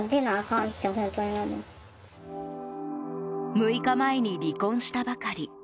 ６日前に離婚したばかり。